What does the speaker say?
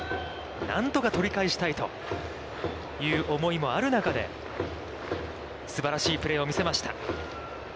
何とか取り返したいという思いもある中で、すばらしいプレーを見せました。